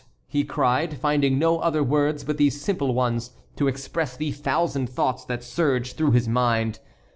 he cried, finding no other words but these simple ones to express the thousand thoughts that surged through his mind.